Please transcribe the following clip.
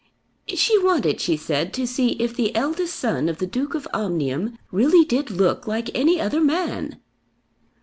"She wanted, she said, to see if the eldest son of the Duke of Omnium really did look like any other man."